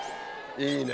いいね。